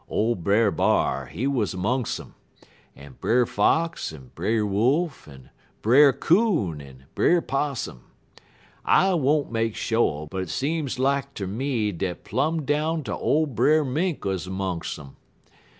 Ole Brer B'ar, he was 'mongs' um, en Brer Fox, en Brer Wolf, en Brer 'Coon, en Brer 'Possum. I won't make sho', but it seem like ter me dat plum down ter ole Brer Mink 'uz 'mongs' um.